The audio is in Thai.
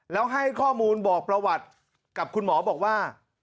แล้วให้ข้อมูลบอกประวัติกับคุณหมอบอกว่า